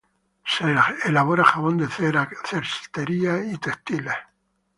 Se elabora jabón de cera, cestería y textiles.